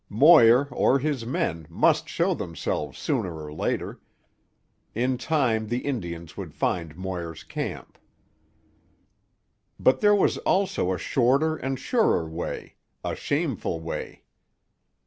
Moir, or his men, must show themselves sooner or later. In time the Indians would find Moir's camp. But there was also a shorter and surer way—a shameful way.